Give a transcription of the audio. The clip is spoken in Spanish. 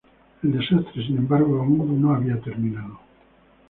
El desastre, sin embargo, aún no había terminado.